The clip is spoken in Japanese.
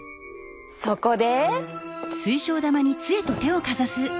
そこで。